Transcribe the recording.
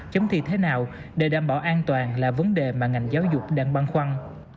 chấm thi thế nào để đảm bảo an toàn là vấn đề mà ngành giáo dục đang băn khoăn